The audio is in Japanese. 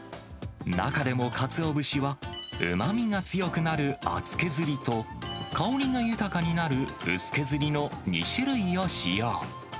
中でもかつお節は、うまみが強くなる厚削りと、香りが豊かになる薄削りの２種類を使用。